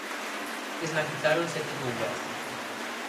Esnaquizaron sete tumbas.